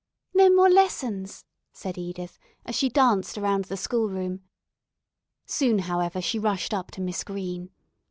"No more lessons," said Edith, as she danced around the schoolroom. Soon, however, she rushed up to Miss Green.